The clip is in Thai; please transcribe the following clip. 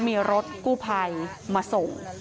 มีรถกู้ไพเอ้มมาส่ง